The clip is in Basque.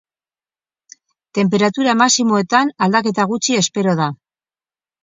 Tenperatura maximoetan aldaketa gutxi espero da.